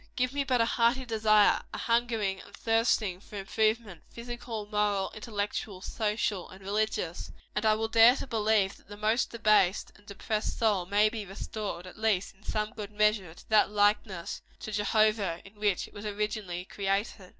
Give me but a hearty desire, a hungering and thirsting for improvement physical, moral, intellectual, social and religious and I will dare to believe that the most debased and depressed soul may be restored, at least in some good measure, to that likeness to Jehovah in which it was originally created.